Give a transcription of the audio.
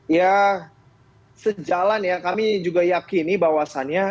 ya sejalan ya kami juga yakini bahwasannya